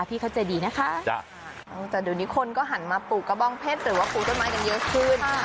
พี่เขาใจดีนะคะแต่เดี๋ยวนี้คนก็หันมาปลูกกระบองเพชรหรือว่าปลูกต้นไม้กันเยอะขึ้น